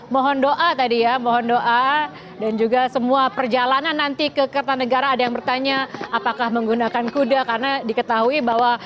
mohon doa tadi ya mohon doa dan juga semua perjalanan nanti ke kertanegara ada yang bertanya apakah menggunakan kuda karena diketahui bahwa